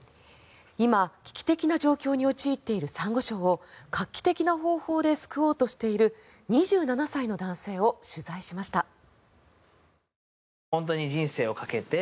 今、危機的な状況に陥っているサンゴ礁を画期的な方法で救おうとしている２７歳の男性を取材しました。